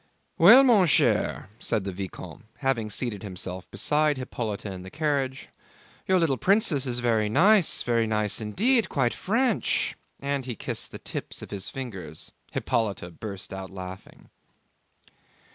"Well, mon cher," said the vicomte, having seated himself beside Hippolyte in the carriage, "your little princess is very nice, very nice indeed, quite French," and he kissed the tips of his fingers. Hippolyte burst out laughing.